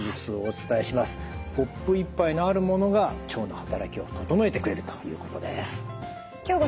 コップ１杯のあるものが腸の働きを整えてくれるということです。